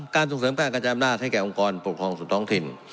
ส่งเสริมการกระจายอำนาจให้แก่องค์กรปกครองส่วนท้องถิ่น